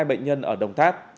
hai bệnh nhân ở đồng tháp